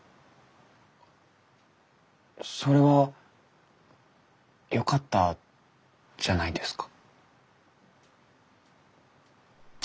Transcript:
それはよかったじゃないですか。